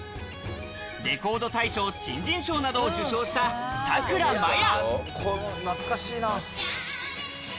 レコード大賞新人賞などを受賞したさくらまや。